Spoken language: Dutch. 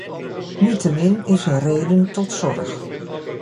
Niettemin is er reden tot zorg.